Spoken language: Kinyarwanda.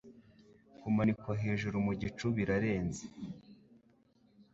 Kumanikwa hejuru mu gicu bira renze.